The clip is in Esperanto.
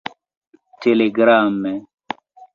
telegrame